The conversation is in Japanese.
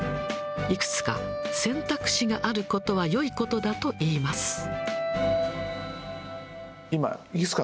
いくつか選択肢があることはよいことだといいます。